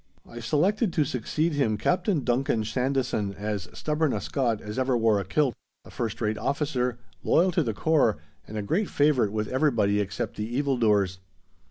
I selected to succeed him Captain Duncan Sandison as stubborn a Scot as ever wore a kilt, a first rate officer, loyal to the core, and a great favourite with everybody except the evil doers.